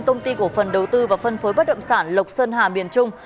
công ty cổ phần đầu tư và phân phối bất động sản lộc sơn hà miền trung